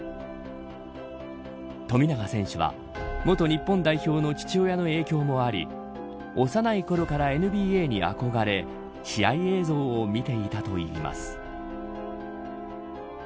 富永選手は元日本代表の父親の影響もあり幼いころからＮＢＡに憧れ試合映像を見ていたといいます。